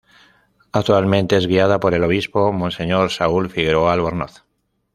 Actualmente es guiada por el obispo, Monseñor Saúl Figueroa Albornoz.